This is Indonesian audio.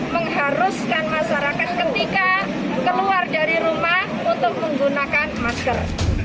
mengharuskan masyarakat ketika keluar dari rumah untuk menggunakan masker